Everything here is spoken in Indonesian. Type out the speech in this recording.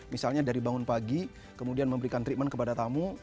misalnya dari bangun pagi kemudian memberikan treatment kepada tamu